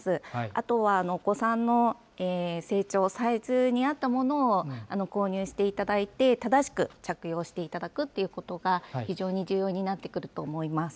あとは、お子さんの成長、サイズに合ったものを購入していただいて、正しく着用していただくということが非常に重要になってくると思います。